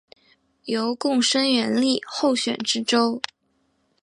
由贡生援例候选知州。